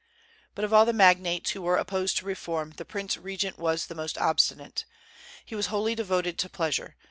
But of all the magnates who were opposed to reform, the prince regent was the most obstinate. He was wholly devoted to pleasure.